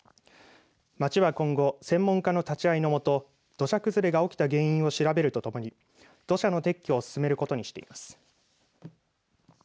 町は今後専門家の立ち会いのもと土砂崩れが起きた原因を調べるとともに土砂の撤去を進めることにしています。